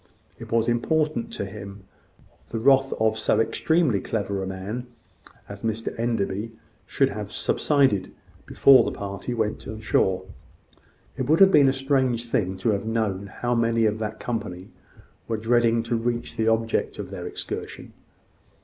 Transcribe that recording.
It was important to him that the wrath of so extremely clever a man as Mr Enderby should have subsided before the party went on shore. It would have been a strange thing to have known how many of that company were dreading to reach the object of their excursion.